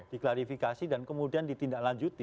diklarifikasi dan kemudian ditindaklanjuti